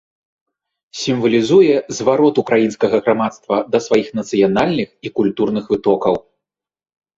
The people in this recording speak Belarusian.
Сімвалізуе зварот ўкраінскага грамадства да сваіх нацыянальных і культурных вытокаў.